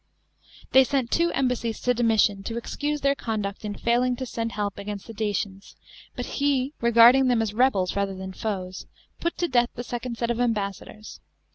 TI ey sent two embassies to Domitian, t«. excu>e their conduct in failing to send help against the Dacans; but he, regarding them as rebels rather than tees, put t« death the second set of ambassadors.